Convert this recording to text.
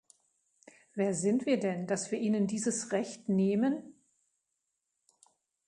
Wer sind wir denn, dass wir ihnen dieses Recht nehmen?